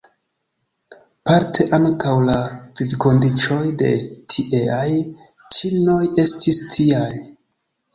Parte ankaŭ la vivkondiĉoj de tieaj ĉinoj estis tiaj.